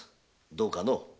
どうかの？